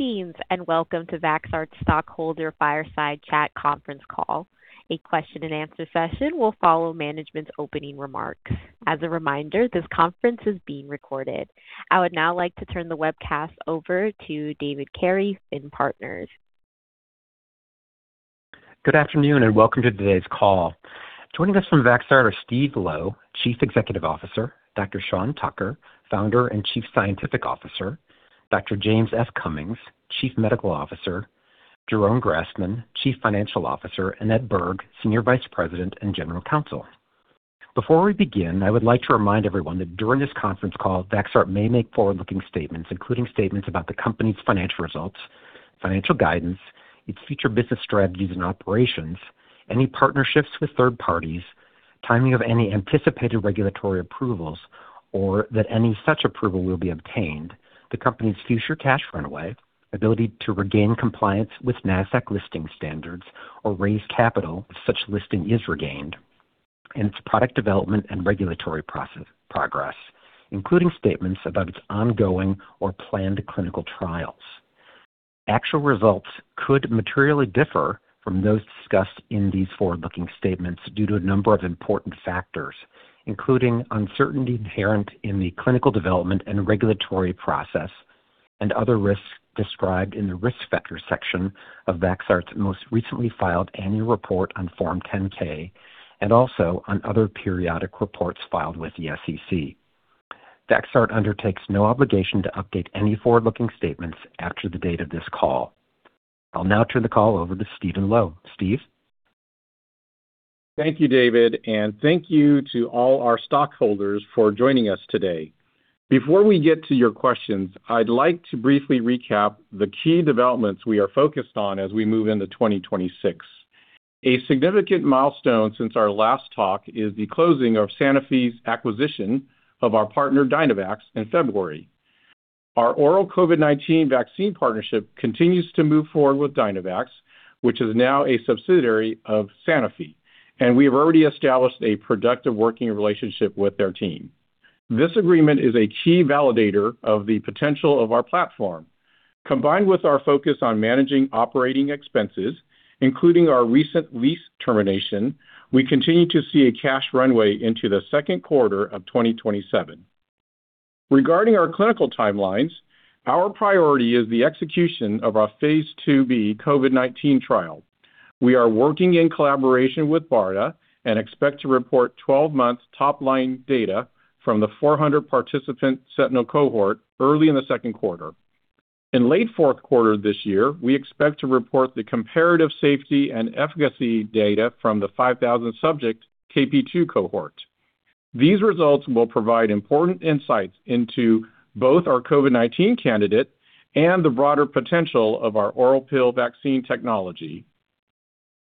Greetings, and welcome to Vaxart stockholder fireside chat conference call. A question-and-answer session will follow management's opening remarks. As a reminder, this conference is being recorded. I would now like to turn the webcast over to David Carey, FINN Partners. Good afternoon, and welcome to today's call. Joining us from Vaxart are Steve Lo, Chief Executive Officer, Dr. Sean Tucker, Founder and Chief Scientific Officer, Dr. James F. Cummings, Chief Medical Officer, Jeroen Grasman, Chief Financial Officer, and Edward Berg, Senior Vice President and General Counsel. Before we begin, I would like to remind everyone that during this conference call, Vaxart may make forward-looking statements, including statements about the company's financial results, financial guidance, its future business strategies and operations, any partnerships with third parties, timing of any anticipated regulatory approvals or that any such approval will be obtained, the company's future cash runway, ability to regain compliance with Nasdaq listing standards or raise capital if such listing is regained, and its product development and regulatory process progress, including statements about its ongoing or planned clinical trials. Actual results could materially differ from those discussed in these forward-looking statements due to a number of important factors, including uncertainty inherent in the clinical development and regulatory process and other risks described in the Risk Factor section of Vaxart's most recently filed annual report on Form 10-K and also on other periodic reports filed with the SEC. Vaxart undertakes no obligation to update any forward-looking statements after the date of this call. I'll now turn the call over to Steve Lo. Steve? Thank you, David, and thank you to all our stockholders for joining us today. Before we get to your questions, I'd like to briefly recap the key developments we are focused on as we move into 2026. A significant milestone since our last talk is the closing of Sanofi's acquisition of our partner, Dynavax, in February. Our oral COVID-19 vaccine partnership continues to move forward with Dynavax, which is now a subsidiary of Sanofi, and we have already established a productive working relationship with their team. This agreement is a key validator of the potential of our platform. Combined with our focus on managing operating expenses, including our recent lease termination, we continue to see a cash runway into the second quarter of 2027. Regarding our clinical timelines, our priority is the execution of our phase II-B COVID-19 trial. We are working in collaboration with BARDA and expect to report 12 months top-line data from the 400-participant sentinel cohort early in the second quarter. In late fourth quarter this year, we expect to report the comparative safety and efficacy data from the 5,000-subject KP.2 cohort. These results will provide important insights into both our COVID-19 candidate and the broader potential of our oral pill vaccine technology.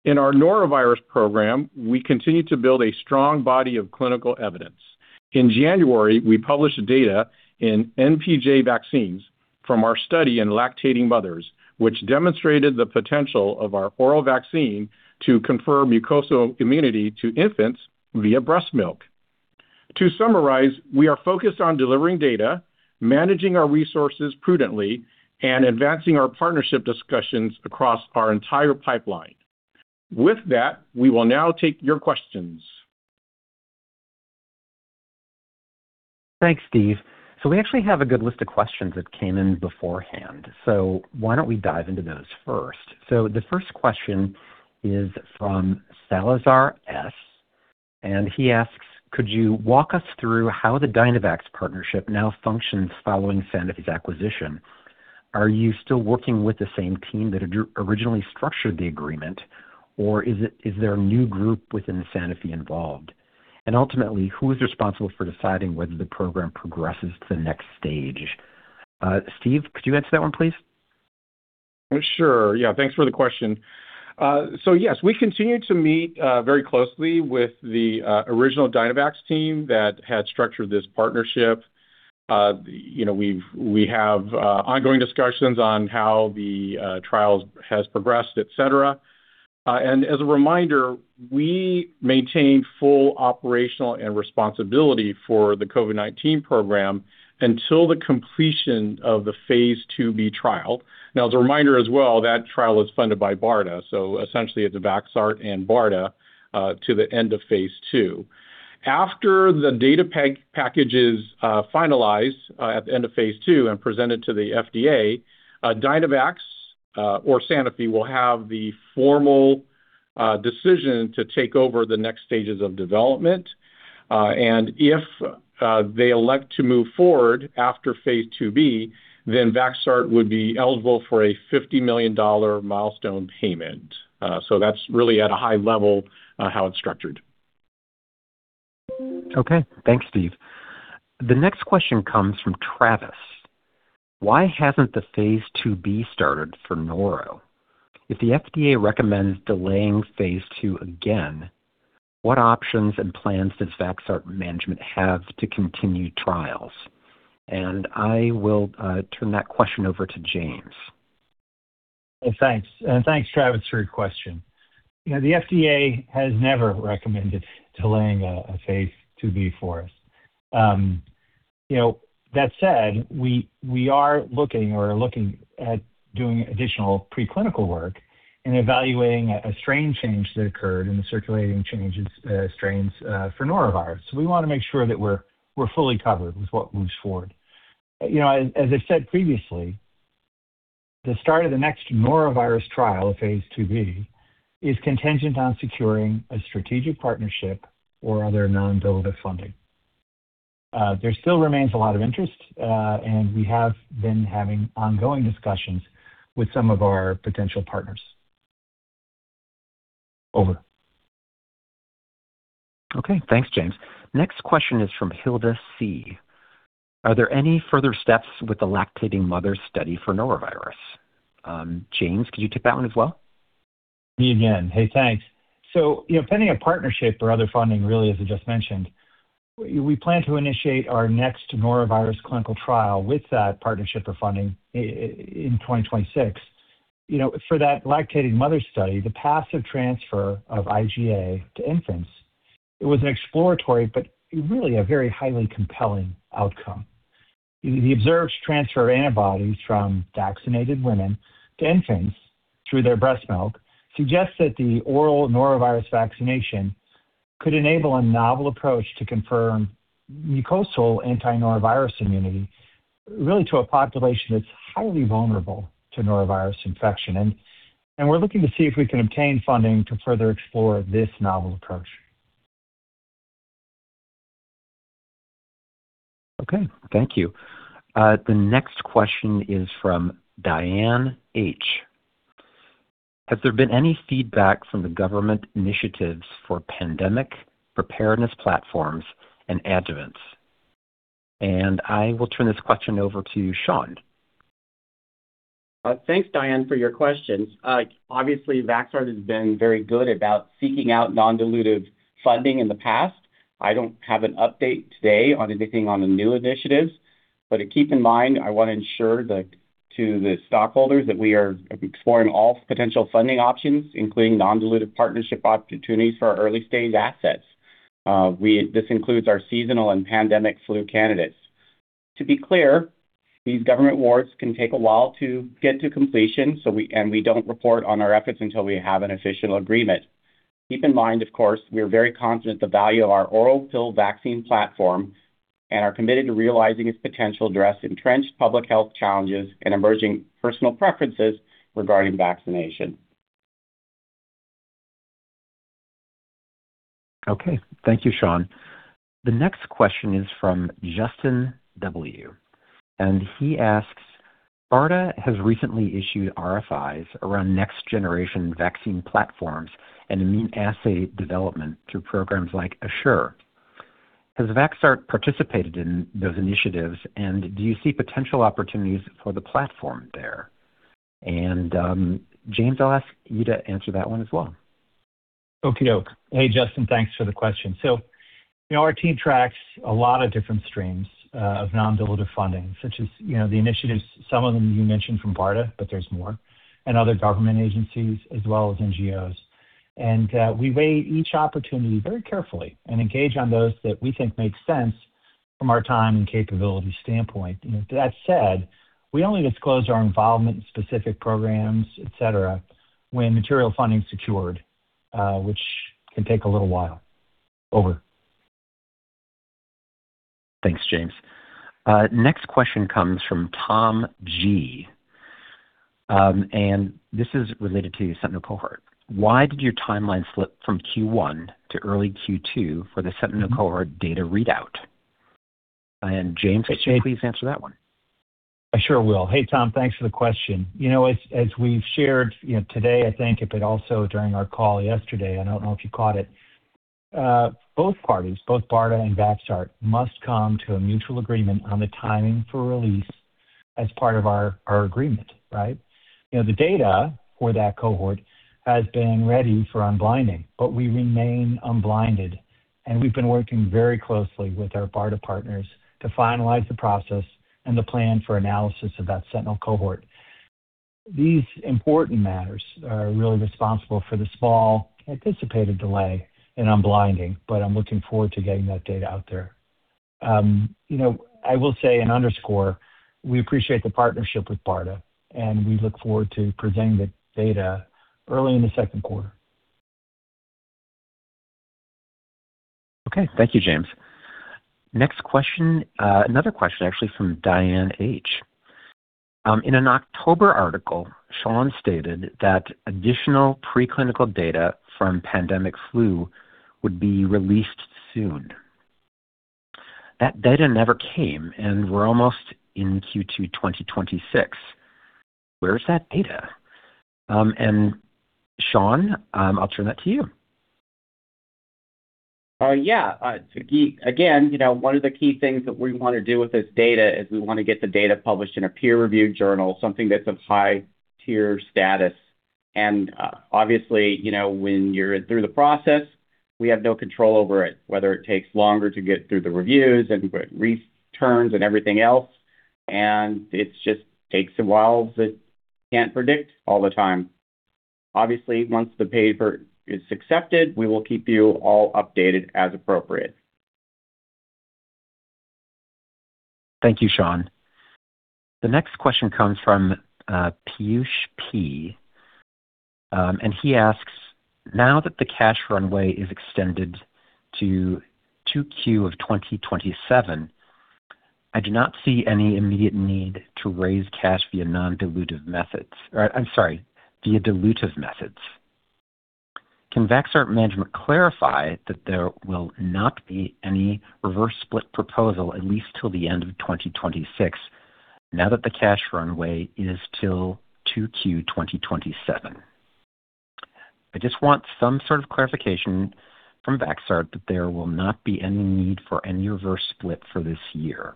In our norovirus program, we continue to build a strong body of clinical evidence. In January, we published data in npj Vaccines from our study in lactating mothers, which demonstrated the potential of our oral vaccine to confer mucosal immunity to infants via breast milk. To summarize, we are focused on delivering data, managing our resources prudently, and advancing our partnership discussions across our entire pipeline. With that, we will now take your questions. Thanks, Steve. We actually have a good list of questions that came in beforehand, so why don't we dive into those first. The first question is from Salazar S.. He asks, "Could you walk us through how the Dynavax partnership now functions following Sanofi's acquisition? Are you still working with the same team that originally structured the agreement, or is it, is there a new group within Sanofi involved? And ultimately, who is responsible for deciding whether the program progresses to the next stage?" Steve, could you answer that one please? Sure. Yeah, thanks for the question. Yes, we continue to meet very closely with the original Dynavax team that had structured this partnership. You know, we have ongoing discussions on how the trials has progressed, et cetera. As a reminder, we maintain full operational and responsibility for the COVID-19 program until the completion of the phase II-B trial. Now as a reminder as well, that trial is funded by BARDA, so essentially it's Vaxart and BARDA to the end of phase II. After the data packages finalize at the end of phase II and presented to the FDA, Dynavax or Sanofi will have the formal decision to take over the next stages of development. If they elect to move forward after phase II-B, then Vaxart would be eligible for a $50 million milestone payment. That's really at a high level, how it's structured. Okay. Thanks, Steve. The next question comes from Travis: "Why hasn't the phase II-B started for norovirus? If the FDA recommends delaying phase II-B again, what options and plans does Vaxart management have to continue trials?" I will turn that question over to James. Thanks. Thanks, Travis, for your question. You know, the FDA has never recommended delaying a phase II-B for us. You know, that said, we are looking at doing additional preclinical work and evaluating a strain change that occurred and the circulating changes, strains, for norovirus. We want to make sure that we're fully covered with what moves forward. You know, as I said previously, the start of the next norovirus trial of phase II-B is contingent on securing a strategic partnership or other non-dilutive funding. There still remains a lot of interest, and we have been having ongoing discussions with some of our potential partners. Over. Okay. Thanks, James. Next question is from Hilda C.. Are there any further steps with the lactating mother study for norovirus? James, could you take that one as well? Me again. Hey, thanks. You know, pending a partnership or other funding really as I just mentioned, we plan to initiate our next norovirus clinical trial with that partnership or funding in 2026. You know, for that lactating mother study, the passive transfer of IgA to infants, it was an exploratory but really a very highly compelling outcome. The observed transfer of antibodies from vaccinated women to infants through their breast milk suggests that the oral norovirus vaccination could enable a novel approach to confirm mucosal anti-norovirus immunity really to a population that's highly vulnerable to norovirus infection. We're looking to see if we can obtain funding to further explore this novel approach. Okay. Thank you. The next question is from Diane H.. Has there been any feedback from the government initiatives for pandemic preparedness platforms and adjuvants? I will turn this question over to Sean. Thanks, Diane, for your question. Obviously, Vaxart has been very good about seeking out non-dilutive funding in the past. I don't have an update today on anything on the new initiatives. Keep in mind, I want to ensure to the stockholders that we are exploring all potential funding options, including non-dilutive partnership opportunities for our early-stage assets. This includes our seasonal and pandemic flu candidates. To be clear, these government awards can take a while to get to completion, and we don't report on our efforts until we have an official agreement. Keep in mind, of course, we are very confident the value of our oral pill vaccine platform and are committed to realizing its potential to address entrenched public health challenges and emerging personal preferences regarding vaccination. Okay. Thank you, Sean. The next question is from Justin W.. He asks, BARDA has recently issued RFIs around next-generation vaccine platforms and immune assay development through programs like ASSURE. Has Vaxart participated in those initiatives, and do you see potential opportunities for the platform there? James, I'll ask you to answer that one as well. Okay-doke. Hey, Justin. Thanks for the question. So, you know, our team tracks a lot of different streams of non-dilutive funding, such as, you know, the initiatives, some of them you mentioned from BARDA, but there's more, and other government agencies as well as NGOs. We weigh each opportunity very carefully and engage on those that we think make sense from our time and capability standpoint. You know, that said, we only disclose our involvement in specific programs, et cetera, when material funding is secured, which can take a little while. Over. Thanks, James. Next question comes from Tom G.. This is related to sentinel cohort. Why did your timeline slip from Q1 to early Q2 for the sentinel cohort data readout? James, could you please answer that one? I sure will. Hey, Tom. Thanks for the question. You know, as we've shared, you know, today, I think, but also during our call yesterday, I don't know if you caught it, both parties, both BARDA and Vaxart, must come to a mutual agreement on the timing for release as part of our agreement, right? You know, the data for that cohort has been ready for unblinding, but we remain unblinded, and we've been working very closely with our BARDA partners to finalize the process and the plan for analysis of that sentinel cohort. These important matters are really responsible for the small anticipated delay in unblinding, but I'm looking forward to getting that data out there. You know, I will say and underscore, we appreciate the partnership with BARDA, and we look forward to presenting the data early in the second quarter. Okay. Thank you, James. Next question, another question actually from Diane H.. In an October article, Sean stated that additional preclinical data from pandemic flu would be released soon. That data never came, and we're almost in Q2 2026. Where's that data? And Sean, I'll turn that to you. Yeah. Again, you know, one of the key things that we want to do with this data is we want to get the data published in a peer-reviewed journal, something that's of high tier status. Obviously, you know, when you're through the process, we have no control over it, whether it takes longer to get through the reviews and revisions and everything else, and it just takes a while that we can't predict all the time. Once the paper is accepted, we will keep you all updated as appropriate. Thank you, Sean. The next question comes from Piyush P., and he asks, "Now that the cash runway is extended to 2Q 2027, I do not see any immediate need to raise cash via non-dilutive methods. Or I'm sorry, via dilutive methods. Can Vaxart management clarify that there will not be any reverse split proposal at least till the end of 2026 now that the cash runway is till 2Q 2027? I just want some sort of clarification from Vaxart that there will not be any need for any reverse split for this year."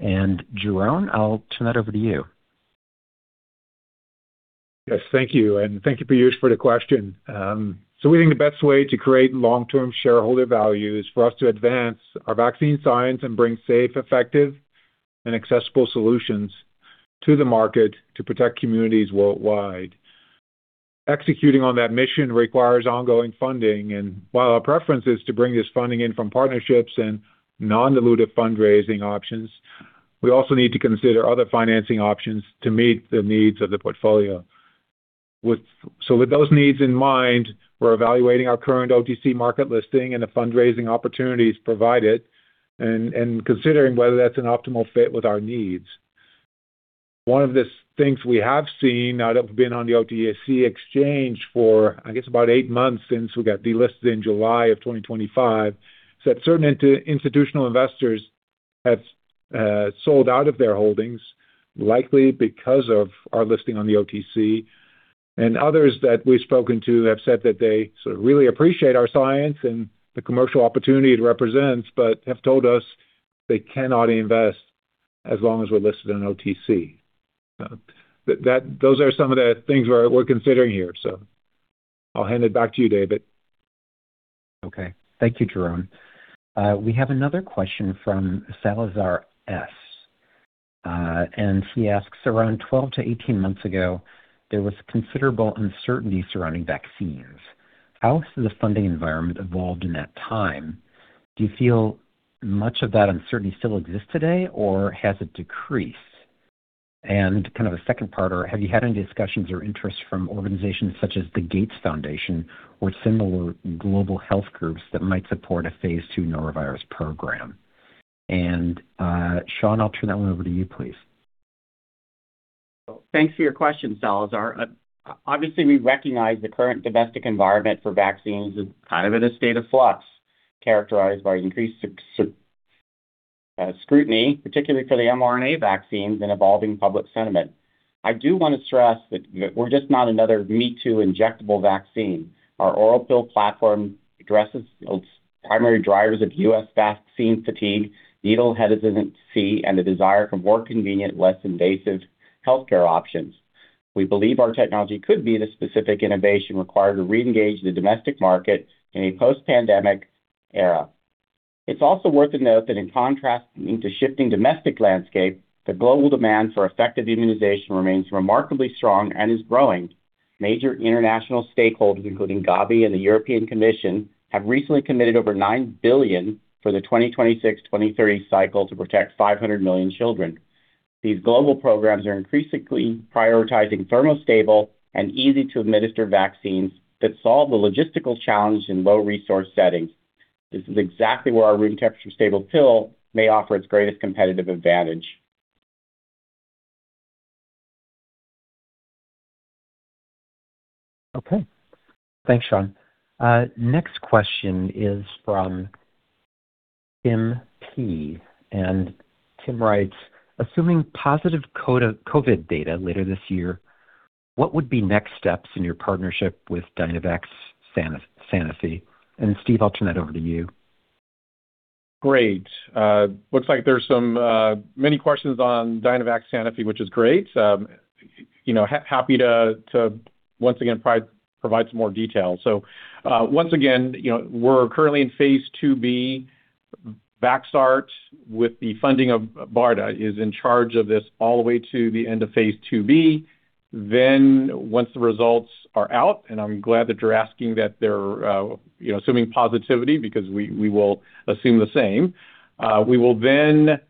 Jeroen, I'll turn that over to you. Yes. Thank you. Thank you, Piyush, for the question. We think the best way to create long-term shareholder value is for us to advance our vaccine science and bring safe, effective, and accessible solutions to the market to protect communities worldwide. Executing on that mission requires ongoing funding, and while our preference is to bring this funding in from partnerships and non-dilutive fundraising options, we also need to consider other financing options to meet the needs of the portfolio. With those needs in mind, we're evaluating our current OTC market listing and the fundraising opportunities provided and considering whether that's an optimal fit with our needs. One of the things we have seen now that we've been on the OTC exchange for, I guess, about eight months since we got delisted in July 2025, is that certain institutional investors have sold out of their holdings, likely because of our listing on the OTC. Others that we've spoken to have said that they sort of really appreciate our science and the commercial opportunity it represents, but have told us they cannot invest as long as we're listed on OTC. Those are some of the things we're considering here. I'll hand it back to you, David. Okay. Thank you, Jeroen. We have another question from Salazar S.. He asks, "Around 12-18 months ago, there was considerable uncertainty surrounding vaccines. How has the funding environment evolved in that time? Do you feel much of that uncertainty still exists today or has it decreased?" Kind of a second part, "Or have you had any discussions or interest from organizations such as the Gates Foundation or similar global health groups that might support a phase II norovirus program?" Sean, I'll turn that one over to you, please. Thanks for your question, Salazar. Obviously, we recognize the current domestic environment for vaccines is kind of in a state of flux, characterized by increased scrutiny, particularly for the mRNA vaccines and evolving public sentiment. I do want to stress that we're just not another me-too injectable vaccine. Our oral pill platform addresses primary drivers of U.S. vaccine fatigue, needle hesitancy, and the desire for more convenient, less invasive healthcare options. We believe our technology could be the specific innovation required to reengage the domestic market in a post-pandemic era. It's also worth a note that in contrast to the shifting domestic landscape, the global demand for effective immunization remains remarkably strong and is growing. Major international stakeholders, including Gavi and the European Commission, have recently committed over $9 billion for the 2026/2030 cycle to protect 500 million children. These global programs are increasingly prioritizing thermostable and easy-to-administer vaccines that solve the logistical challenge in low-resource settings. This is exactly where our room temperature stable pill may offer its greatest competitive advantage. Okay. Thanks, Sean. Next question is from Tim P.. Tim writes, "Assuming positive COVID-19 data later this year, what would be next steps in your partnership with Dynavax and Sanofi?" Steve, I'll turn that over to you. Great. Looks like there's some many questions on Dynavax and Sanofi, which is great. You know, happy to once again provide some more detail. Once again, you know, we're currently in phase II-B. Vaxart with the funding of BARDA is in charge of this all the way to the end of phase II-B. Once the results are out, and I'm glad that you're asking that they're you know, assuming positivity because we will assume the same, we will then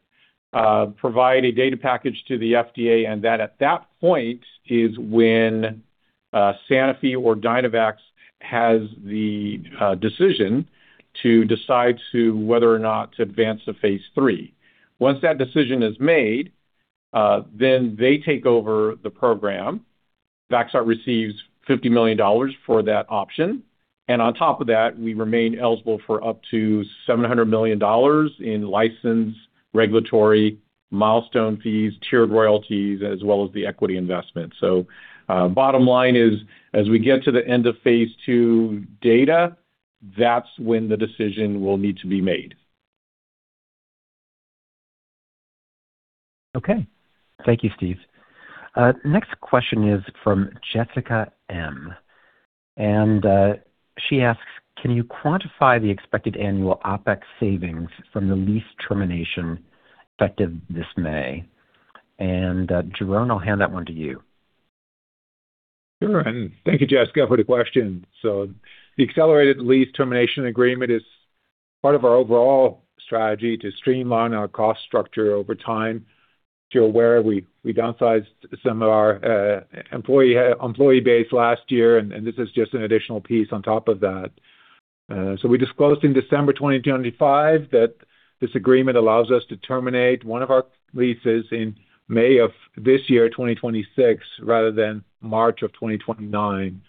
provide a data package to the FDA, and that at that point is when Sanofi or Dynavax has the decision to decide to whether or not to advance to phase III. Once that decision is made, they take over the program. Vaxart receives $50 million for that option. On top of that, we remain eligible for up to $700 million in license, regulatory, milestone fees, tiered royalties, as well as the equity investment. Bottom line is, as we get to the end of phase II data, that's when the decision will need to be made. Okay. Thank you, Steve. Next question is from Jessica M.. She asks, "Can you quantify the expected annual OpEx savings from the lease termination effective this May?" Jeroen, I'll hand that one to you. Sure. Thank you, Jessica, for the question. The accelerated lease termination agreement is part of our overall strategy to streamline our cost structure over time. As you're aware, we downsized some of our employee base last year, and this is just an additional piece on top of that. We disclosed in December 2025 that this agreement allows us to terminate one of our leases in May of this year, 2026, rather than March of 2029.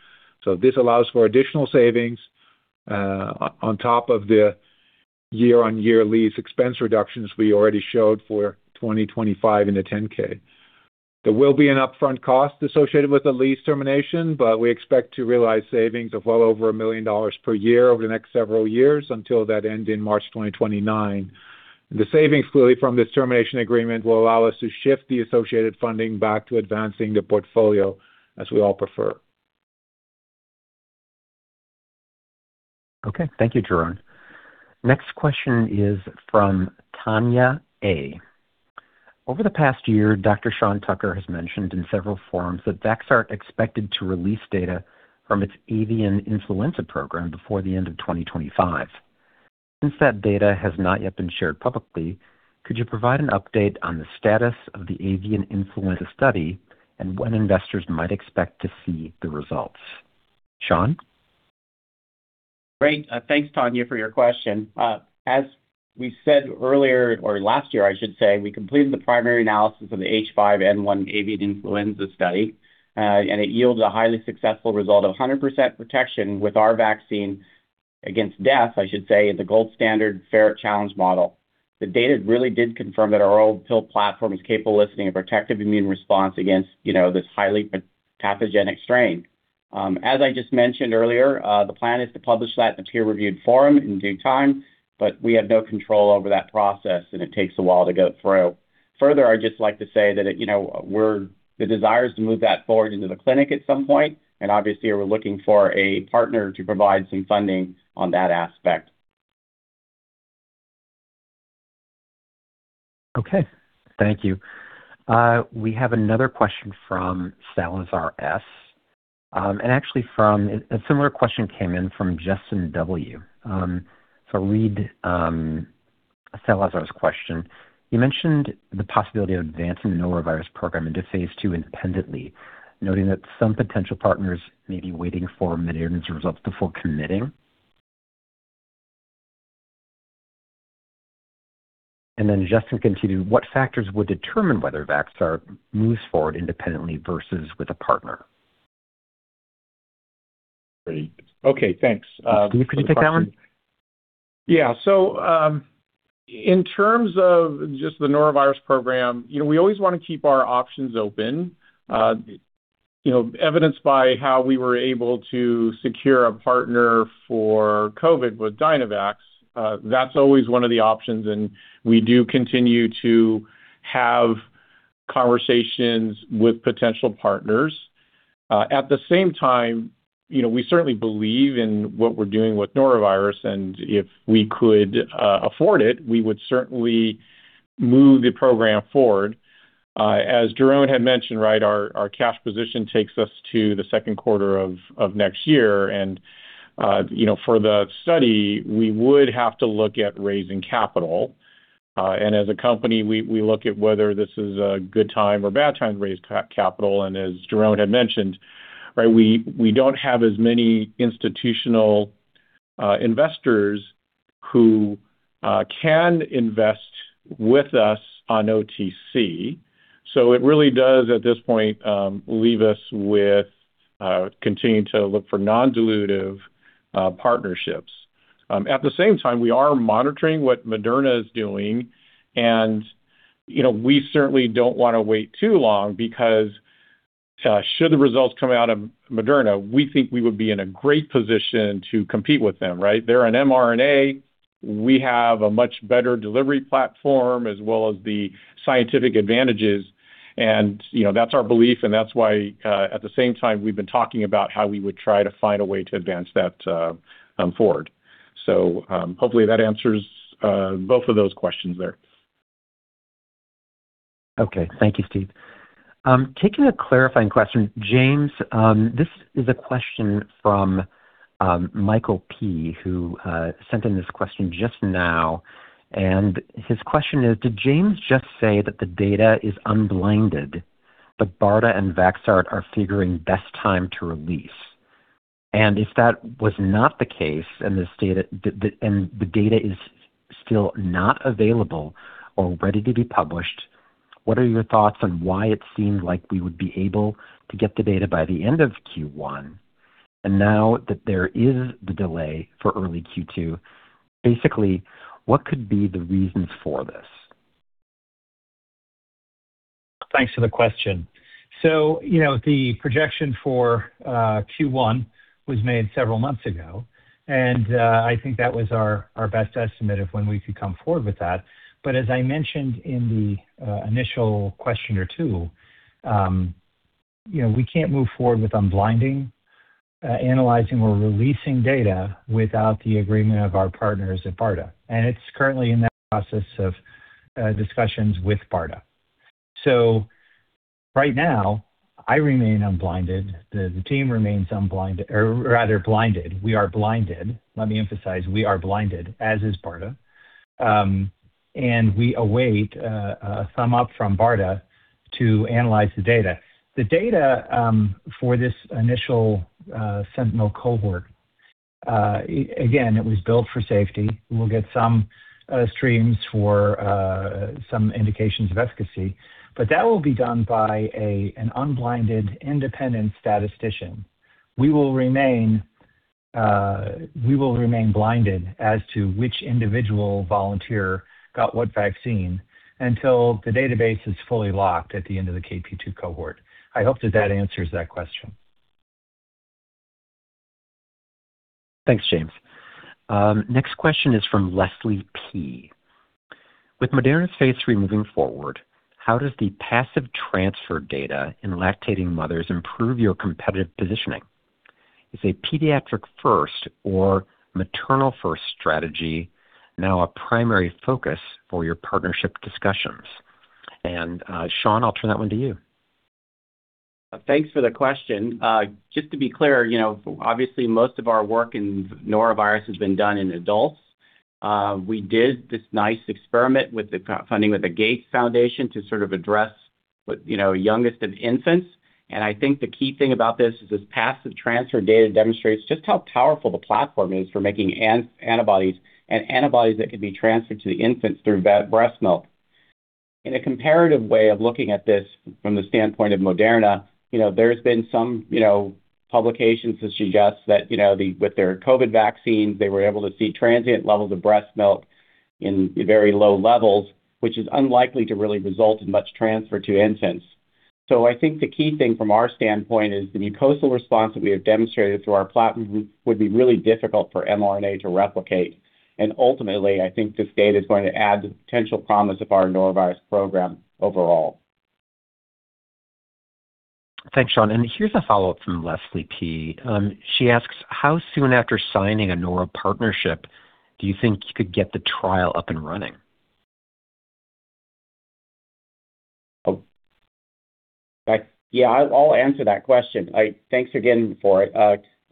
This allows for additional savings on top of the year-on-year lease expense reductions we already showed for 2025 in the 10-K. There will be an upfront cost associated with the lease termination, but we expect to realize savings of well over $1 million per year over the next several years until then in March 2029. The savings really from this termination agreement will allow us to shift the associated funding back to advancing the portfolio as we all prefer. Okay. Thank you, Jeroen. Next question is from Tanya A.. Over the past year, Dr. Sean Tucker has mentioned in several forums that Vaxart expected to release data from its avian influenza program before the end of 2025. Since that data has not yet been shared publicly, could you provide an update on the status of the avian influenza study and when investors might expect to see the results? Sean? Great. Thanks, Tanya, for your question. As we said earlier, or last year, I should say, we completed the primary analysis of the H5N1 avian influenza study, and it yields a highly successful result of 100% protection with our vaccine against death, I should say, the gold standard ferret challenge model. The data really did confirm that our oral pill platform is capable of eliciting a protective immune response against, you know, this highly pathogenic strain. As I just mentioned earlier, the plan is to publish that in a peer-reviewed forum in due time, but we have no control over that process, and it takes a while to go through. Further, I'd just like to say that, you know, the desire is to move that forward into the clinic at some point, and obviously we're looking for a partner to provide some funding on that aspect. Okay. Thank you. We have another question from Salazar S., and actually a similar question came in from Justin W.. I'll read Salazar's question. You mentioned the possibility of advancing the norovirus program into phase II independently, noting that some potential partners may be waiting for Moderna's results before committing. Then Justin continued, what factors would determine whether Vaxart moves forward independently versus with a partner? Great. Okay, thanks, for the question. Steve, could you take that one? Yeah. In terms of just the norovirus program, you know, we always want to keep our options open, evidenced by how we were able to secure a partner for COVID with Dynavax. That's always one of the options, and we do continue to have conversations with potential partners. At the same time, you know, we certainly believe in what we're doing with norovirus, and if we could afford it, we would certainly move the program forward. As Jeroen had mentioned, right, our cash position takes us to the second quarter of next year. For the study, we would have to look at raising capital. As a company, we look at whether this is a good time or bad time to raise capital. As Jeroen had mentioned, right, we don't have as many institutional investors who can invest with us on OTC. It really does, at this point, leave us with continuing to look for non-dilutive partnerships. At the same time, we are monitoring what Moderna is doing, and, you know, we certainly don't want to wait too long because should the results come out of Moderna, we think we would be in a great position to compete with them, right? They're an mRNA. We have a much better delivery platform as well as the scientific advantages. You know, that's our belief, and that's why, at the same time we've been talking about how we would try to find a way to advance that forward. Hopefully that answers both of those questions there. Okay. Thank you, Steve. Taking a clarifying question, James, this is a question from Michael P., who sent in this question just now. His question is, did James just say that the data is unblinded, but BARDA and Vaxart are figuring best time to release? If that was not the case, and the data is still not available or ready to be published, what are your thoughts on why it seemed like we would be able to get the data by the end of Q1 and now that there is the delay for early Q2? Basically, what could be the reasons for this? Thanks for the question. You know, the projection for Q1 was made several months ago, and I think that was our best estimate of when we could come forward with that. As I mentioned in the initial question or two, you know, we can't move forward with unblinding, analyzing or releasing data without the agreement of our partners at BARDA. It's currently in that process of discussions with BARDA. Right now I remain unblinded. The team remains unblinded or rather blinded. We are blinded. Let me emphasize, we are blinded, as is BARDA. We await a thumbs up from BARDA to analyze the data. The data for this initial sentinel cohort, again, it was built for safety. We'll get some streams for some indications of efficacy, but that will be done by an unblinded independent statistician. We will remain blinded as to which individual volunteer got what vaccine until the database is fully locked at the end of the KP.2 cohort. I hope that that answers that question. Thanks, James. Next question is from Leslie P.. With Moderna's phase III moving forward, how does the passive transfer data in lactating mothers improve your competitive positioning? Is a pediatric first or maternal first strategy now a primary focus for your partnership discussions? Sean, I'll turn that one to you. Thanks for the question. Just to be clear, you know, obviously most of our work in norovirus has been done in adults. We did this nice experiment with the funding with the Gates Foundation to sort of address what, you know, youngest of infants. I think the key thing about this is this passive transfer data demonstrates just how powerful the platform is for making antibodies that can be transferred to the infants through breast milk. In a comparative way of looking at this from the standpoint of Moderna, you know, there's been some, you know, publications to suggest that, you know, the, with their COVID vaccine, they were able to see transient levels in breast milk in very low levels, which is unlikely to really result in much transfer to infants. I think the key thing from our standpoint is the mucosal response that we have demonstrated through our platform would be really difficult for mRNA to replicate. Ultimately I think this data is going to add to the potential promise of our norovirus program overall. Thanks, Sean. Here's a follow-up from Leslie P.. She asks, how soon after signing a norovirus partnership do you think you could get the trial up and running? Yeah, I'll answer that question. Thanks again for it.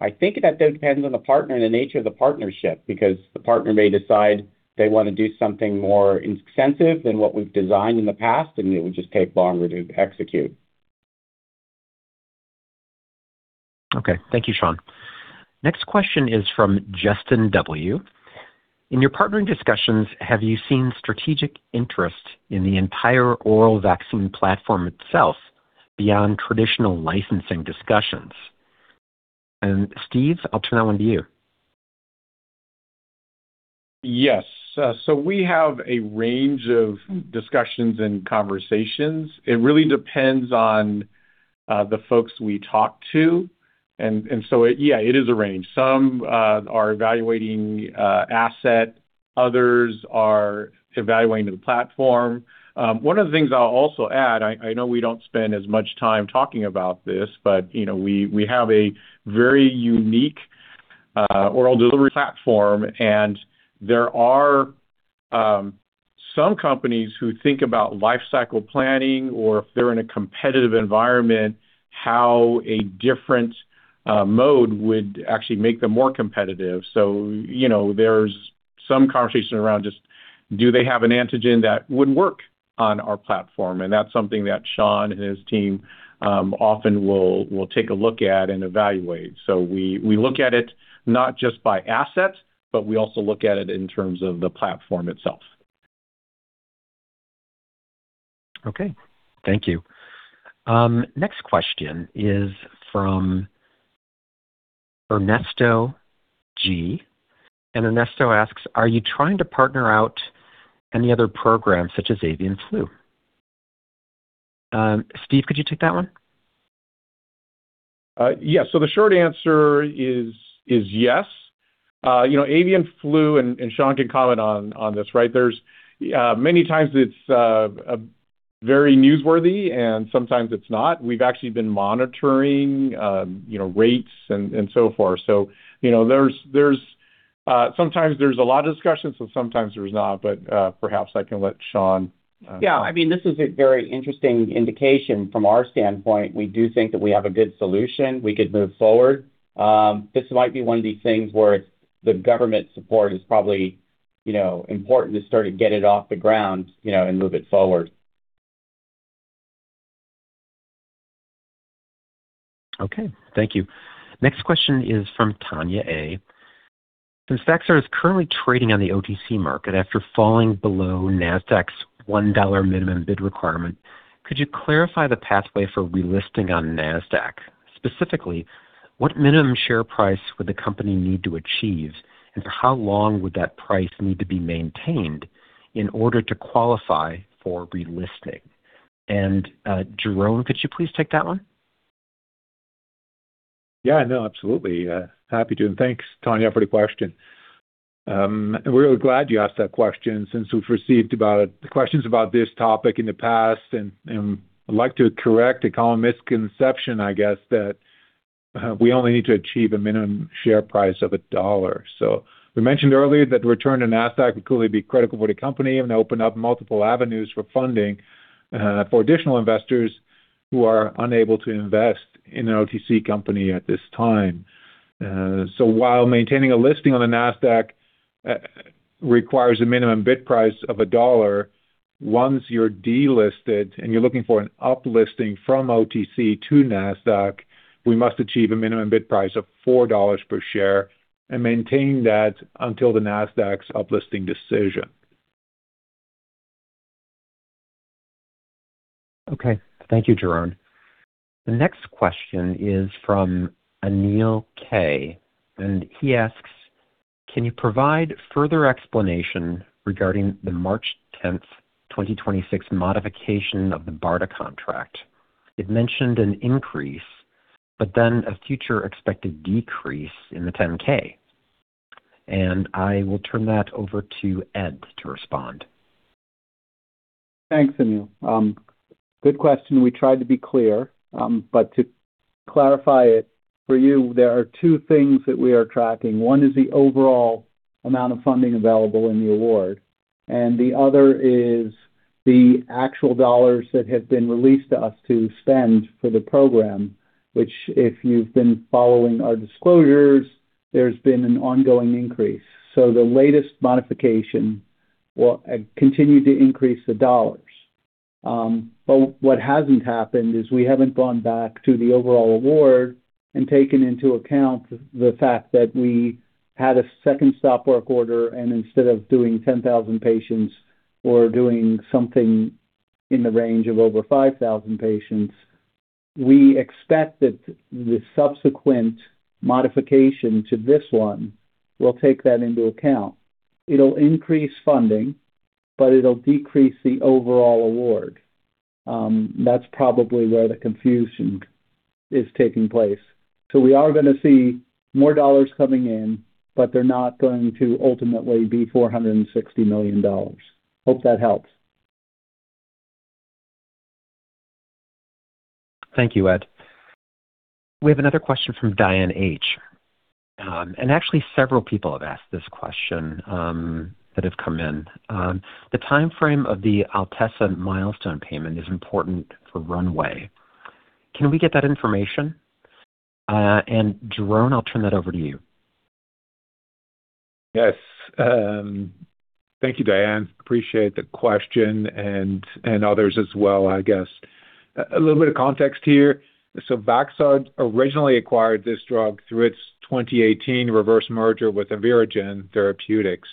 I think that depends on the partner and the nature of the partnership because the partner may decide they want to do something more intensive than what we've designed in the past, and it would just take longer to execute. Okay. Thank you, Sean. Next question is from Justin W.. In your partnering discussions, have you seen strategic interest in the entire oral vaccine platform itself beyond traditional licensing discussions? Steve, I'll turn that one to you. Yes. We have a range of discussions and conversations. It really depends on the folks we talk to. Yeah, it is a range. Some are evaluating asset, others are evaluating the platform. One of the things I'll also add, I know we don't spend as much time talking about this, but you know, we have a very unique oral delivery platform, and there are some companies who think about life cycle planning or if they're in a competitive environment, how a different mode would actually make them more competitive. You know, there's some conversation around just do they have an antigen that would work on our platform? That's something that Sean and his team often will take a look at and evaluate. We look at it not just by asset, but we also look at it in terms of the platform itself. Okay. Thank you. Next question is from Ernesto G.. Ernesto asks, are you trying to partner out any other programs such as avian flu? Steve, could you take that one? Yes. The short answer is yes. You know, avian flu, and Sean can comment on this, right? There's many times it's very newsworthy and sometimes it's not. We've actually been monitoring, you know, rates and so forth. You know, sometimes there's a lot of discussions and sometimes there's not. Perhaps I can let Sean. Yeah. I mean, this is a very interesting indication from our standpoint. We do think that we have a good solution. We could move forward. This might be one of these things where the government support is probably, you know, important to start to get it off the ground, you know, and move it forward. Okay. Thank you. Next question is from Tanya A.. Since Vaxart is currently trading on the OTC market after falling below Nasdaq's $1 minimum bid requirement, could you clarify the pathway for relisting on Nasdaq? Specifically, what minimum share price would the company need to achieve, and for how long would that price need to be maintained in order to qualify for relisting? Jeroen, could you please take that one? Yeah, no, absolutely. Happy to. Thanks, Tanya, for the question. We're glad you asked that question since we've received questions about this topic in the past and I'd like to correct a common misconception, I guess, that we only need to achieve a minimum share price of $1. We mentioned earlier that return to Nasdaq would clearly be critical for the company and open up multiple avenues for funding for additional investors who are unable to invest in an OTC company at this time. While maintaining a listing on the Nasdaq requires a minimum bid price of $1, once you're delisted and you're looking for an up listing from OTC to Nasdaq, we must achieve a minimum bid price of $4 per share and maintain that until the Nasdaq's up listing decision. Okay. Thank you, Jeroen. The next question is from Anil K.. He asks, "Can you provide further explanation regarding the March 10, 2026 modification of the BARDA contract? It mentioned an increase, but then a future expected decrease in the 10-K." I will turn that over to Ed to respond. Thanks, Anil. Good question. We tried to be clear, but to clarify it for you, there are two things that we are tracking. One is the overall amount of funding available in the award, and the other is the actual dollars that have been released to us to spend for the program, which, if you've been following our disclosures, there's been an ongoing increase. The latest modification will continue to increase the dollars. What hasn't happened is we haven't gone back to the overall award and taken into account the fact that we had a second stop work order and instead of doing 10,000 patients, we're doing something in the range of over 5,000 patients. We expect that the subsequent modification to this one will take that into account. It'll increase funding, but it'll decrease the overall award. That's probably where the confusion is taking place. We are gonna see more dollars coming in, but they're not going to ultimately be $460 million. Hope that helps. Thank you, Ed. We have another question from Diane H.. And actually several people have asked this question that have come in. The timeframe of the Altesa milestone payment is important for runway. Can we get that information? Jeroen, I'll turn that over to you. Yes. Thank you, Diane. Appreciate the question and others as well, I guess. A little bit of context here. Vaxart originally acquired this drug through its 2018 reverse merger with Aviragen Therapeutics.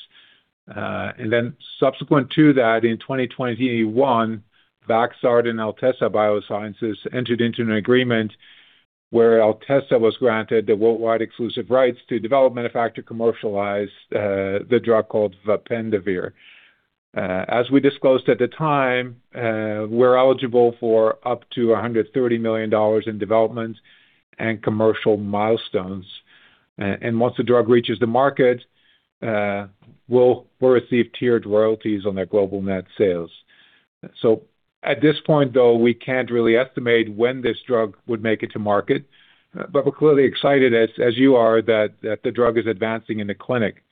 Then subsequent to that, in 2021, Vaxart and Altesa BioSciences entered into an agreement where Altesa was granted the worldwide exclusive rights to develop, manufacture, commercialize the drug called Vapendavir. As we disclosed at the time, we're eligible for up to $130 million in development and commercial milestones. Once the drug reaches the market, we'll receive tiered royalties on their global net sales. At this point, though, we can't really estimate when this drug would make it to market, but we're clearly excited as you are that the drug is advancing in the clinic.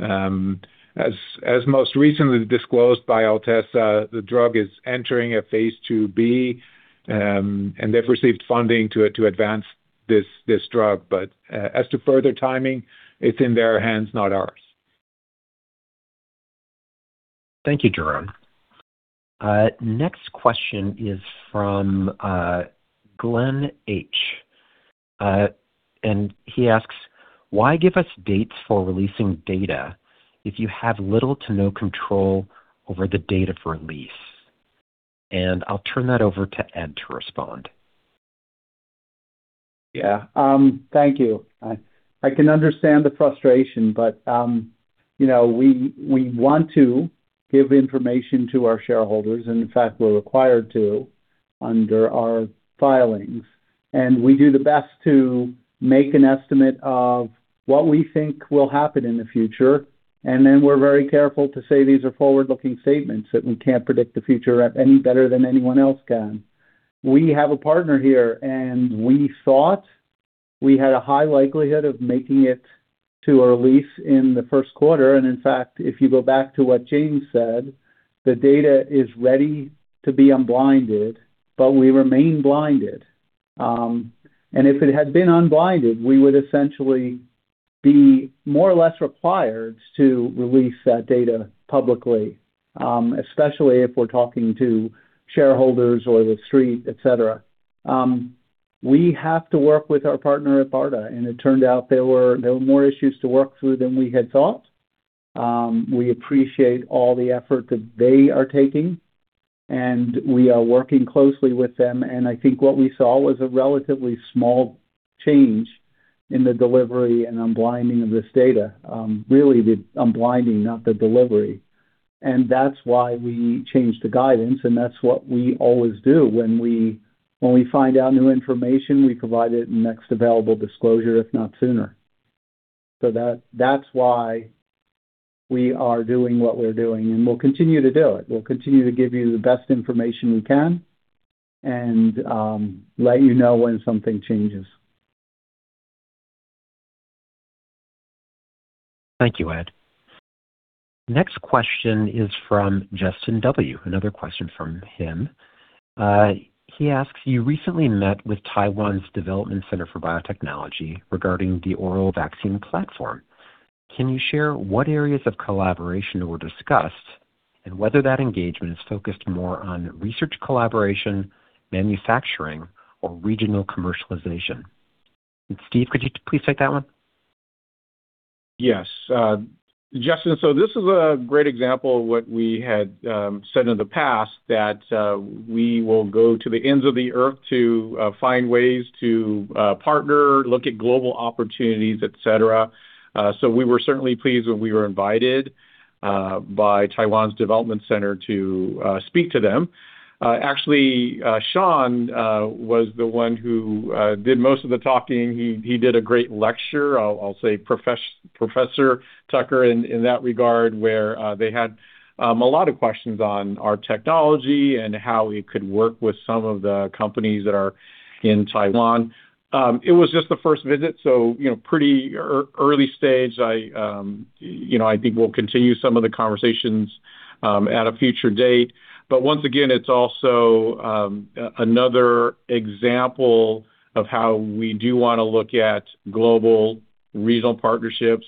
As most recently disclosed by Altesa BioSciences, the drug is entering a phase II-B, and they've received funding to advance this drug. As to further timing, it's in their hands, not ours. Thank you, Jeroen. Next question is from Glenn H.. And he asks, "Why give us dates for releasing data if you have little to no control over the date of release?" I'll turn that over to Ed to respond. Yeah, thank you. I can understand the frustration, but you know, we want to give information to our shareholders, and in fact, we're required to under our filings. We do the best to make an estimate of what we think will happen in the future. Then we're very careful to say these are forward-looking statements, that we can't predict the future any better than anyone else can. We have a partner here, and we thought we had a high likelihood of making it to a release in the first quarter. In fact, if you go back to what James said, the data is ready to be unblinded, but we remain blinded. If it had been unblinded, we would essentially be more or less required to release that data publicly, especially if we're talking to shareholders or the Street, et cetera. We have to work with our partner at BARDA, and it turned out there were more issues to work through than we had thought. We appreciate all the effort that they are taking, and we are working closely with them. I think what we saw was a relatively small change in the delivery and unblinding of this data. Really the unblinding, not the delivery. That's why we changed the guidance, and that's what we always do. When we find out new information, we provide it in the next available disclosure, if not sooner. That's why we are doing what we're doing, and we'll continue to do it. We'll continue to give you the best information we can and let you know when something changes. Thank you, Ed. Next question is from Justin W.. Another question from him. He asks, you recently met with Taiwan's Development Center for Biotechnology regarding the oral vaccine platform. Can you share what areas of collaboration were discussed and whether that engagement is focused more on research collaboration, manufacturing or regional commercialization? Steve, could you please take that one? Yes. Justin, this is a great example of what we had said in the past, that we will go to the ends of the Earth to find ways to partner, look at global opportunities, etc. We were certainly pleased when we were invited by Taiwan's Development Center to speak to them. Actually, Sean was the one who did most of the talking. He did a great lecture. I'll say Professor Tucker in that regard, where they had a lot of questions on our technology and how we could work with some of the companies that are in Taiwan. It was just the first visit, you know, pretty early stage. I, you know, I think we'll continue some of the conversations at a future date. Once again, it's also another example of how we do wanna look at global regional partnerships.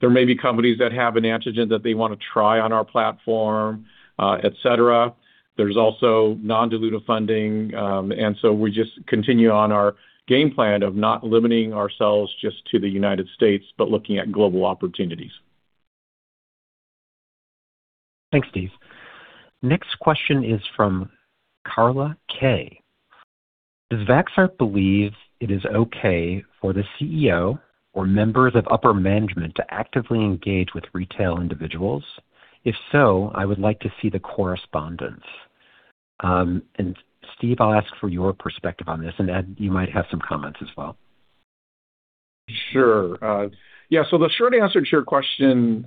There may be companies that have an antigen that they wanna try on our platform, etc. There's also non-dilutive funding, and so we just continue on our game plan of not limiting ourselves just to the United States, but looking at global opportunities. Thanks, Steve. Next question is from Carla K.. Does Vaxart believe it is okay for the CEO or members of upper management to actively engage with retail individuals? If so, I would like to see the correspondence. And Steve, I'll ask for your perspective on this, and Ed, you might have some comments as well. Sure. Yeah. The short answer to your question,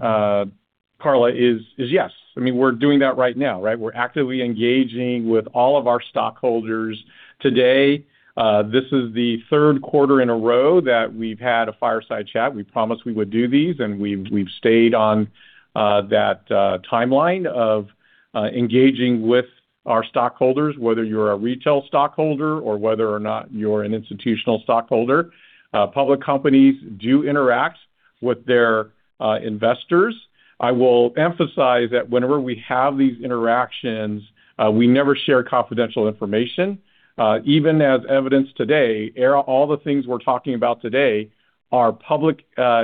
Carla, is yes. I mean, we're doing that right now, right? We're actively engaging with all of our stockholders today. This is the third quarter in a row that we've had a fireside chat. We promised we would do these, and we've stayed on that timeline of engaging with our stockholders, whether you're a retail stockholder or whether or not you're an institutional stockholder. Public companies do interact with their investors. I will emphasize that whenever we have these interactions, we never share confidential information. Even as evidenced today, all the things we're talking about today are public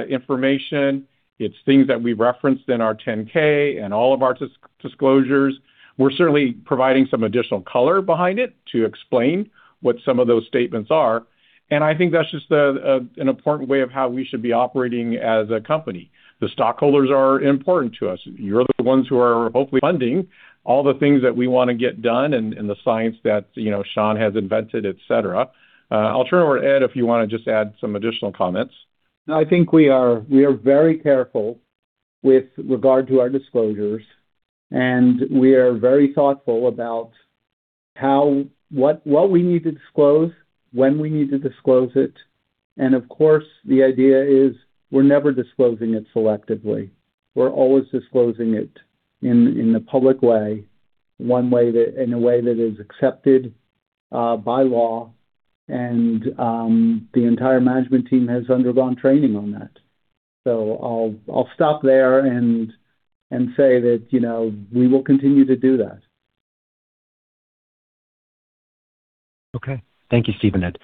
information. It's things that we referenced in our 10-K and all of our disclosures. We're certainly providing some additional color behind it to explain what some of those statements are, and I think that's just an important way of how we should be operating as a company. The stockholders are important to us. You're the ones who are hopefully funding all the things that we wanna get done and the science that, you know, Sean has invented, etc. I'll turn it over to Ed, if you wanna just add some additional comments. I think we are very careful with regard to our disclosures, and we are very thoughtful about what we need to disclose, when we need to disclose it. Of course, the idea is we're never disclosing it selectively. We're always disclosing it in a public way, in a way that is accepted by law. The entire management team has undergone training on that. I'll stop there and say that, you know, we will continue to do that. Okay. Thank you, Steve and Ed.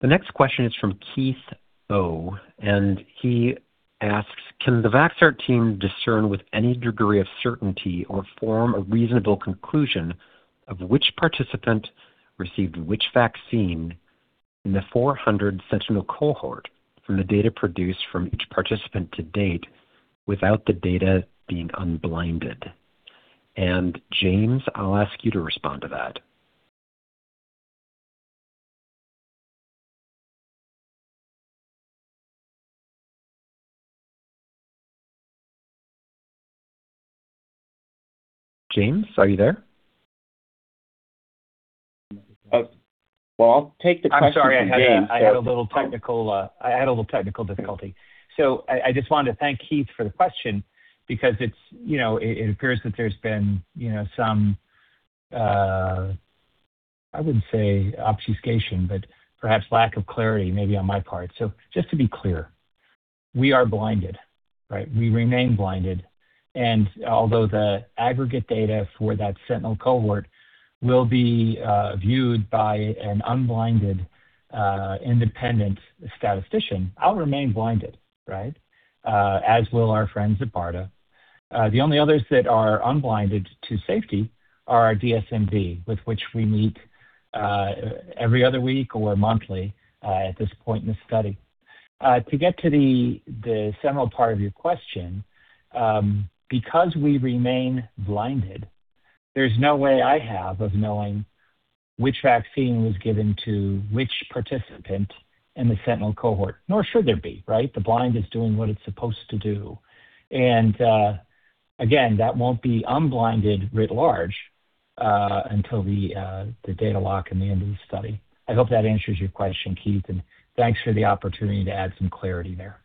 The next question is from Keith O.. He asks, "Can the Vaxart team discern with any degree of certainty or form a reasonable conclusion of which participant received which vaccine in the 400 sentinel cohort from the data produced from each participant to date without the data being unblinded?" James, I'll ask you to respond to that. James, are you there? Well, I'll take the question from James. I'm sorry I had a little technical difficulty. I just wanted to thank Keith for the question because it's, you know, it appears that there's been, you know, some, I wouldn't say obfuscation, but perhaps lack of clarity maybe on my part. Just to be clear, we are blinded, right? We remain blinded. Although the aggregate data for that sentinel cohort will be viewed by an unblinded independent statistician, I'll remain blinded, right? As will our friends at BARDA. The only others that are unblinded to safety are our DSMB, with which we meet every other week or monthly at this point in the study. To get to the sentinel part of your question, because we remain blinded, there's no way I have of knowing which vaccine was given to which participant in the sentinel cohort, nor should there be, right? The blind is doing what it's supposed to do. Again, that won't be unblinded writ large, until the data lock in the end of the study. I hope that answers your question, Keith, and thanks for the opportunity to add some clarity there.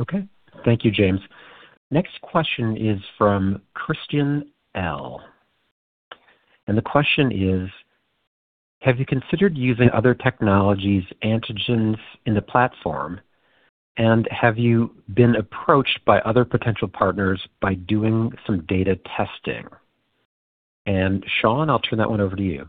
Okay. Thank you, James. Next question is from Christian L.. The question is: Have you considered using other technologies or antigens in the platform? Have you been approached by other potential partners by doing some data testing? Sean, I'll turn that one over to you.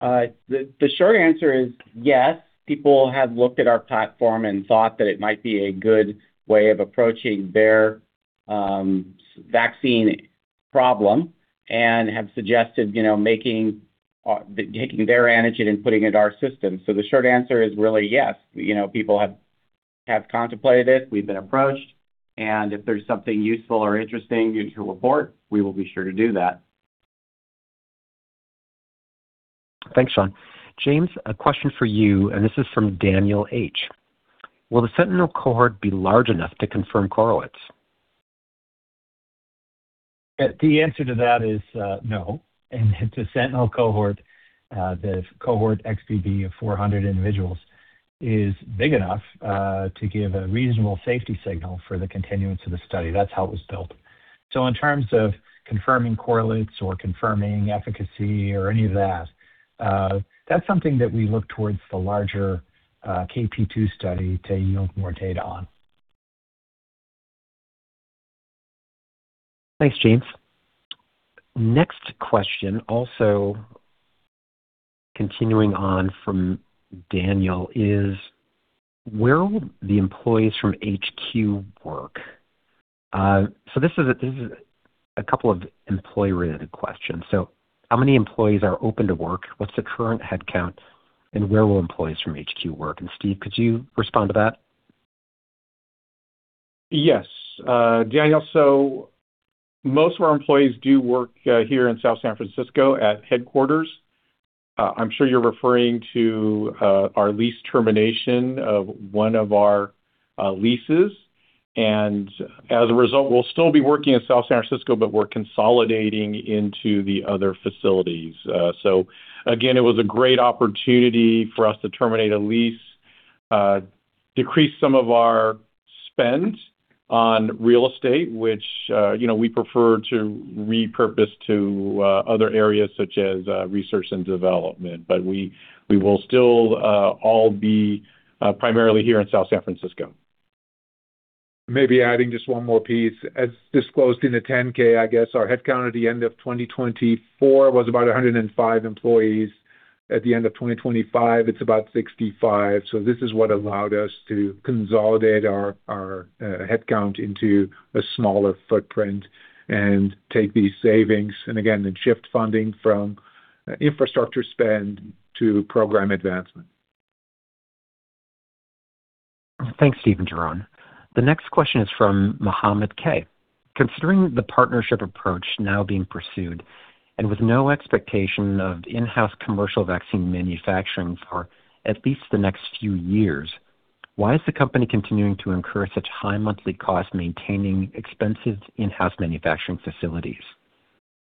The short answer is yes. People have looked at our platform and thought that it might be a good way of approaching their SARS vaccine problem and have suggested taking their antigen and putting it in our system. The short answer is really yes. People have contemplated it. We've been approached, and if there's something useful or interesting to report, we will be sure to do that. Thanks, Sean. James, a question for you, and this is from Daniel H.. Will the sentinel cohort be large enough to confirm correlates? The answer to that is no. The sentinel cohort, the cohort XBB of 400 individuals is big enough to give a reasonable safety signal for the continuance of the study. That's how it was built. In terms of confirming correlates or confirming efficacy or any of that's something that we look towards the larger KP2 study to yield more data on. Thanks, James. Next question, also continuing on from Daniel, is where will the employees from HQ work? This is a couple of employee-related questions. How many employees are open to work? What's the current headcount? And where will employees from HQ work? And Steve, could you respond to that? Yes, Daniel. Most of our employees do work here in South San Francisco at headquarters. I'm sure you're referring to our lease termination of one of our leases. As a result, we'll still be working in South San Francisco, but we're consolidating into the other facilities. Again, it was a great opportunity for us to terminate a lease, decrease some of our spend on real estate, which, you know, we prefer to repurpose to other areas such as research and development. We will still all be primarily here in South San Francisco. Maybe adding just one more piece. As disclosed in the 10-K, I guess our headcount at the end of 2024 was about 105 employees. At the end of 2025, it's about 65. This is what allowed us to consolidate our headcount into a smaller footprint and take these savings and shift funding from infrastructure spend to program advancement. Thanks, Steve and Jeroen. The next question is from Mohamed K.. Considering the partnership approach now being pursued and with no expectation of in-house commercial vaccine manufacturing for at least the next few years, why is the company continuing to incur such high monthly costs maintaining expensive in-house manufacturing facilities?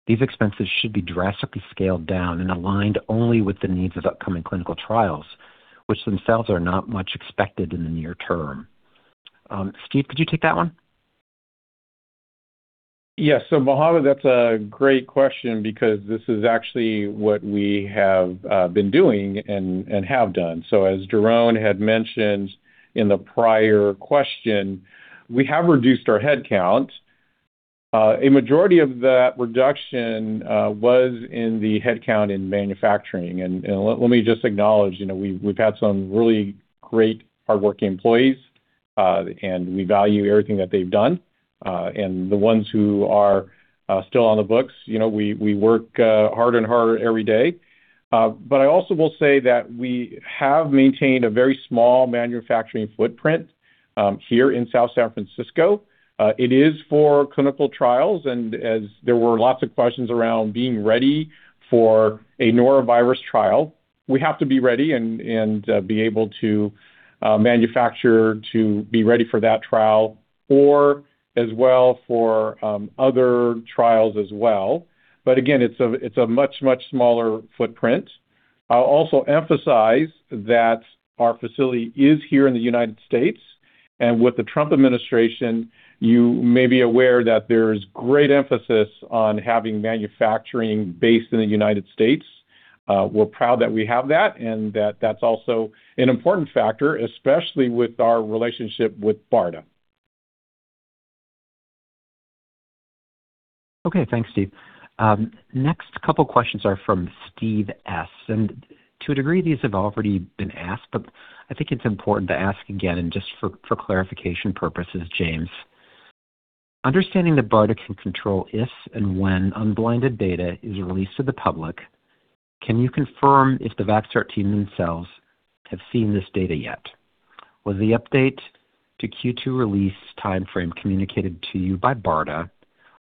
These expenses should be drastically scaled down and aligned only with the needs of upcoming clinical trials, which themselves are not much expected in the near term. Steve, could you take that one? Yes. Mohamed, that's a great question because this is actually what we have been doing and have done. As Jeroen had mentioned in the prior question, we have reduced our headcount. A majority of that reduction was in the headcount in manufacturing. Let me just acknowledge, you know, we've had some really great hardworking employees and we value everything that they've done. The ones who are still on the books, you know, we work harder and harder every day. I also will say that we have maintained a very small manufacturing footprint here in South San Francisco. It is for clinical trials, and as there were lots of questions around being ready for a norovirus trial. We have to be ready and be able to manufacture to be ready for that trial or as well for other trials as well. But again, it's a much smaller footprint. I'll also emphasize that our facility is here in the United States. With the Trump administration, you may be aware that there's great emphasis on having manufacturing based in the United States. We're proud that we have that, and that's also an important factor, especially with our relationship with BARDA. Okay. Thanks, Steve. Next couple questions are from Steve S.. To a degree, these have already been asked, but I think it's important to ask again just for clarification purposes, James. Understanding that BARDA can control if and when unblinded data is released to the public, can you confirm if the Vaxart team themselves have seen this data yet? Was the update to Q2 release timeframe communicated to you by BARDA,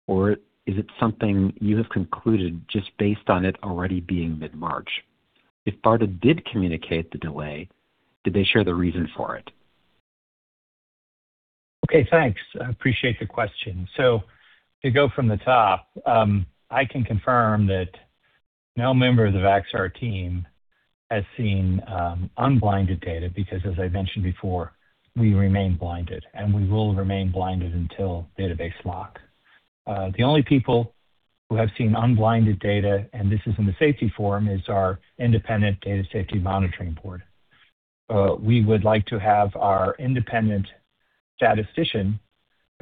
or is it something you have concluded just based on it already being mid-March? If BARDA did communicate the delay, did they share the reason for it? Okay, thanks. I appreciate the question. To go from the top, I can confirm that no member of the Vaxart team has seen unblinded data because as I mentioned before, we remain blinded, and we will remain blinded until database lock. The only people who have seen unblinded data, and this is in the safety forum, is our independent data safety monitoring board. We would like to have our independent statistician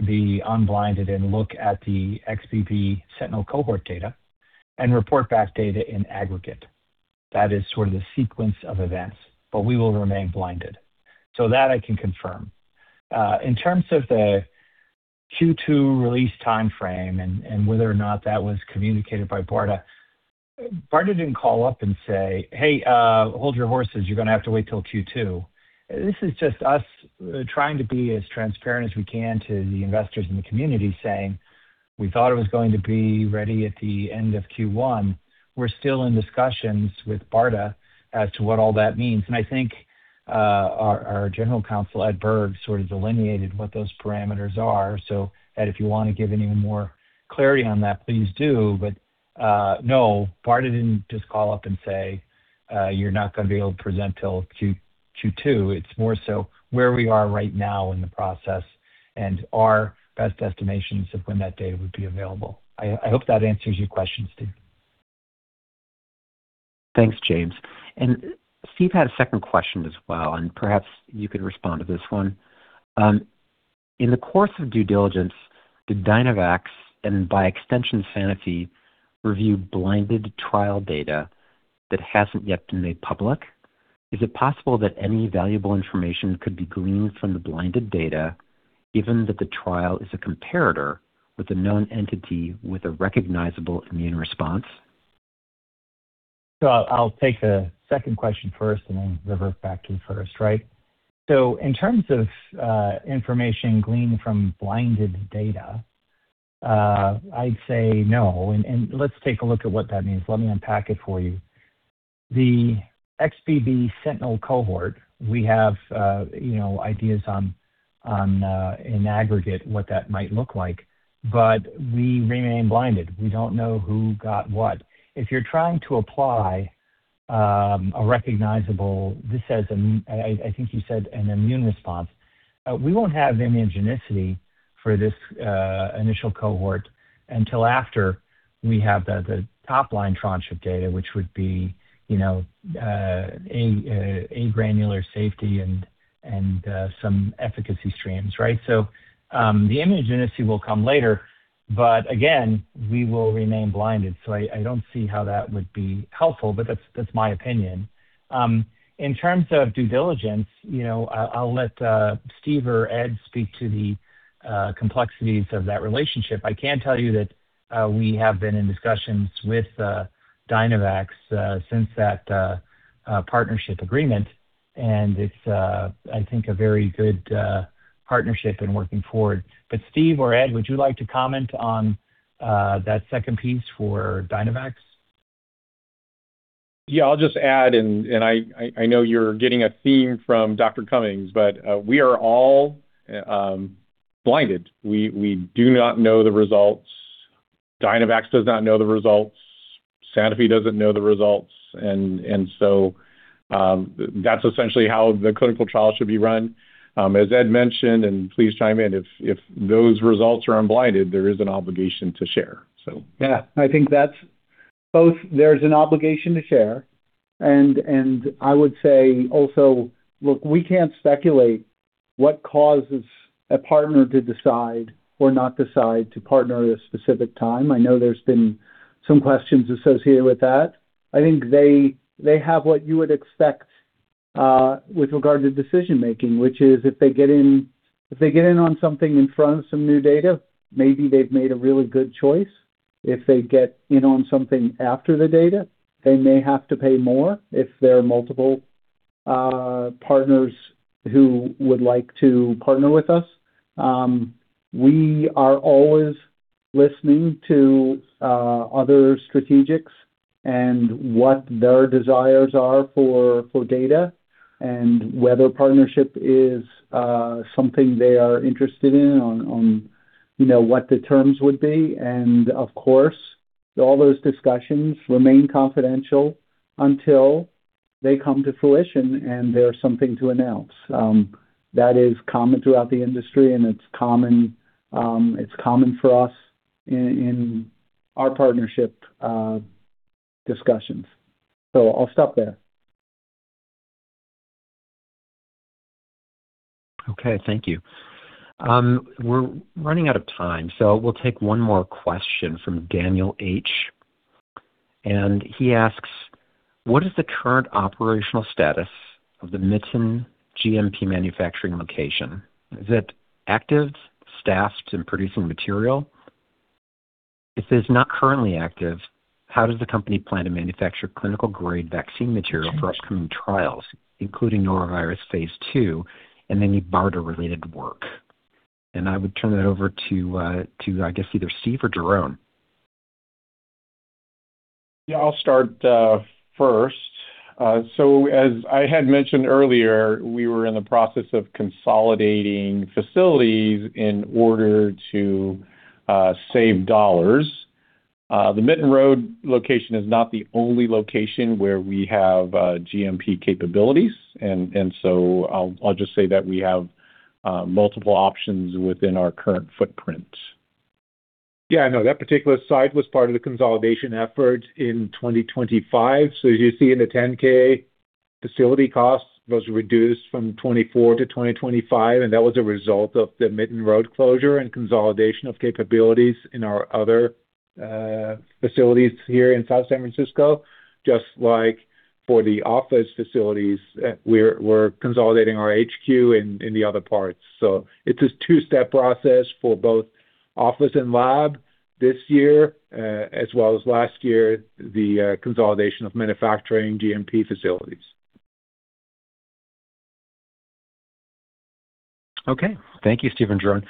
be unblinded and look at the XBB sentinel cohort data and report back data in aggregate. That is sort of the sequence of events, but we will remain blinded. That I can confirm. In terms of the Q2 release timeframe and whether or not that was communicated by BARDA didn't call up and say, "Hey, hold your horses. You're gonna have to wait till Q2." This is just us trying to be as transparent as we can to the investors in the community saying, "We thought it was going to be ready at the end of Q1." We're still in discussions with BARDA as to what all that means. I think, our general counsel, Ed Berg, sort of delineated what those parameters are. Ed, if you want to give any more clarity on that, please do. No, BARDA didn't just call up and say, "You're not gonna be able to present till Q2." It's more so where we are right now in the process and our best estimations of when that data would be available. I hope that answers your question, Steve. Thanks, James. Steve had a second question as well, and perhaps you could respond to this one. In the course of due diligence, did Dynavax, and by extension Sanofi, review blinded trial data that hasn't yet been made public? Is it possible that any valuable information could be gleaned from the blinded data given that the trial is a comparator with a known entity with a recognizable immune response? I'll take the second question first, and then revert back to the first, right? In terms of information gleaned from blinded data, I'd say no. Let's take a look at what that means. Let me unpack it for you. The XBB sentinel cohort, we have ideas on in aggregate what that might look like, but we remain blinded. We don't know who got what. If you're trying to apply this, I think you said an immune response. We won't have immunogenicity for this initial cohort until after we have the topline tranche of data, which would be granular safety and some efficacy streams, right? The immunogenicity will come later, but again, we will remain blinded. I don't see how that would be helpful, but that's my opinion. In terms of due diligence, you know, I'll let Steve or Ed speak to the complexities of that relationship. I can tell you that we have been in discussions with Dynavax since that partnership agreement, and it's I think a very good partnership in working forward. Steve or Ed, would you like to comment on that second piece for Dynavax? Yeah, I'll just add. I know you're getting a theme from Dr. Cummings, but we are all blinded. We do not know the results. Dynavax does not know the results. Sanofi doesn't know the results. So that's essentially how the clinical trial should be run. As Ed mentioned, please chime in if those results are unblinded. There is an obligation to share. Yeah. I think that's both. There's an obligation to share, and I would say also, look, we can't speculate what causes a partner to decide or not decide to partner at a specific time. I know there's been some questions associated with that. I think they have what you would expect with regard to decision-making, which is if they get in on something in front of some new data, maybe they've made a really good choice. If they get in on something after the data, they may have to pay more if there are multiple partners who would like to partner with us. We are always listening to other strategics and what their desires are for data and whether partnership is something they are interested in, you know, what the terms would be. Of course, all those discussions remain confidential until. They come to fruition and there's something to announce. That is common throughout the industry, and it's common for us in our partnership discussions. I'll stop there. Okay. Thank you. We're running out of time, so we'll take one more question from Daniel H.. He asks, "What is the current operational status of the Mitten GMP manufacturing location? Is it active, staffed, and producing material? If it's not currently active, how does the company plan to manufacture clinical grade vaccine material for upcoming trials, including norovirus phase II and any BARDA-related work?" I would turn that over to, I guess, either Steve or Jeroen. Yeah, I'll start first. As I had mentioned earlier, we were in the process of consolidating facilities in order to save dollars. The Mitten Road location is not the only location where we have GMP capabilities. I'll just say that we have multiple options within our current footprint. Yeah, no, that particular site was part of the consolidation effort in 2025. As you see in the 10-K, facility costs was reduced from 2024 to 2025, and that was a result of the Mitten Road closure and consolidation of capabilities in our other facilities here in South San Francisco. Just like for the office facilities, we're consolidating our HQ in the other parts. It's a two-step process for both office and lab this year, as well as last year, the consolidation of manufacturing GMP facilities. Okay. Thank you, Steve and Jeroen.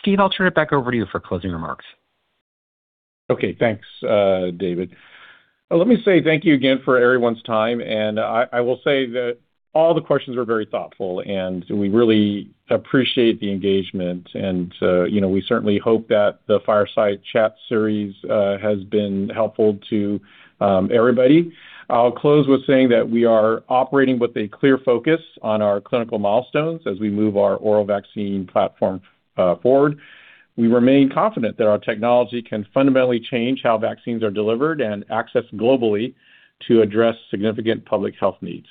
Steve, I'll turn it back over to you for closing remarks. Okay. Thanks, David. Let me say thank you again for everyone's time. I will say that all the questions were very thoughtful, and we really appreciate the engagement, and you know, we certainly hope that the fireside chat series has been helpful to everybody. I'll close with saying that we are operating with a clear focus on our clinical milestones as we move our oral vaccine platform forward. We remain confident that our technology can fundamentally change how vaccines are delivered and accessed globally to address significant public health needs.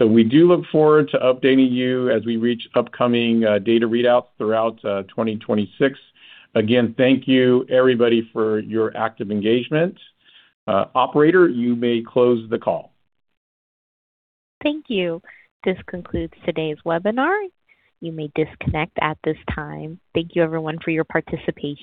We do look forward to updating you as we reach upcoming data readouts throughout 2026. Again, thank you everybody for your active engagement. Operator, you may close the call. Thank you. This concludes today's webinar. You may disconnect at this time. Thank you everyone for your participation.